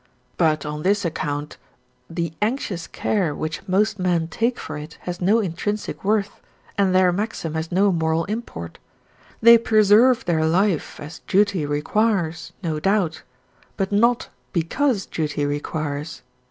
But on this account the often anxious care which most men take for it has no intrinsic worth, and their maxim has no moral import. They preserve their life as duty requires, no doubt, but not because duty requires.